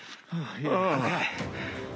ああ。